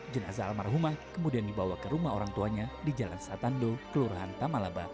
jenazah almarhumah kemudian dibawa ke rumah orang tuanya di jalan satando kelurahan tamalaba